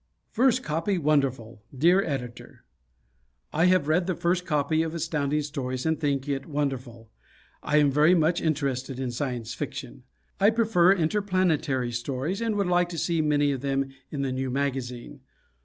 "First Copy Wonderful" Dear Editor: I have read the first copy of Astounding Stories and think it wonderful. I am very much interested in science fiction. I prefer interplanetary stories and would like to see many of them in the new magazine.